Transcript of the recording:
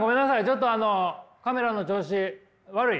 ちょっとあのカメラの調子悪い？